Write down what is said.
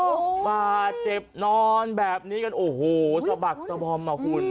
โอ้โฮบาเจ็บนอนแบบนี้กันโอ้โฮสะบัดสะพรมเหรอคุณ